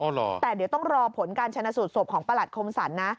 อ๋อเหรอแต่เดี๋ยวต้องรอผลการชนะสูดสวบของประหลัดคมสันนะ